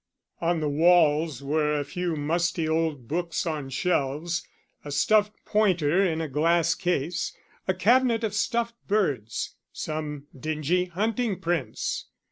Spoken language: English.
On the walls were a few musty old books on shelves, a stuffed pointer in a glass case, a cabinet of stuffed birds, some dingy hunting prints.